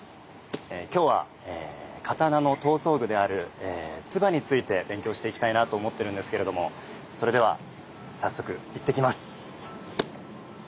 今日は刀の刀装具である鐔について勉強していきたいなと思ってるんですけれどもそれでは早速行ってきます。